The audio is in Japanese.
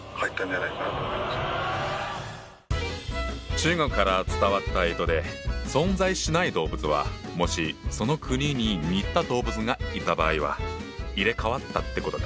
中国から伝わった干支で存在しない動物はもしその国に似た動物がいた場合は入れ代わったってことか。